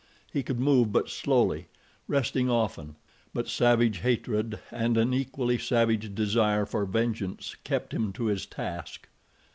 He could move but slowly, resting often; but savage hatred and an equally savage desire for vengeance kept him to his task.